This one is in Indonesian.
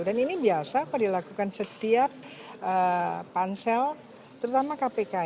dan ini biasa dilakukan setiap pansel terutama kpk